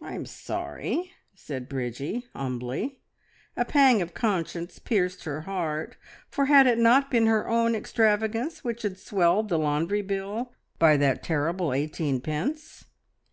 "I'm sorry," said Bridgie humbly. A pang of conscience pierced her heart, for had it not been her own extravagance which had swelled the laundry bill by that terrible eighteen pence?